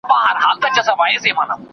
ساینسپوهان د ژړا اغېز څېړي.